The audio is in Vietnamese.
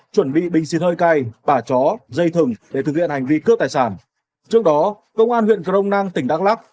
chuẩn bị bình xịt hơi cay bả chó dây thừng để thực hiện hành vi cướp tài sản trước đó công an huyện crong nang tỉnh đắk lắc